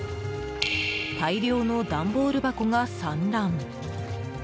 大量の段ボール箱が散乱。